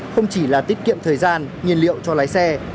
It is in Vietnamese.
không chỉ là tiết kiệm thời gian nhiên liệu cho lái xe